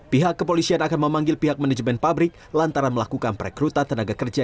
pihak kepolisian akan memanggil pihak manajemen pabrik lantaran melakukan perekrutan tenaga kerja